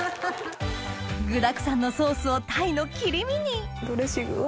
具だくさんのソースをタイの切り身にドレッシングうわ。